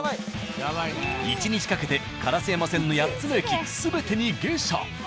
１日かけて烏山線の８つの駅全てに下車。